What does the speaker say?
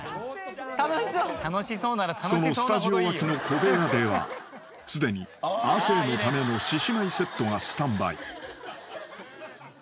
［そのスタジオ脇の小部屋ではすでに亜生のための獅子舞セットがスタンバイ］